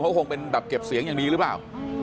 เขาคงเป็นแบบเก็บเสียงอย่างดีหรือเปล่า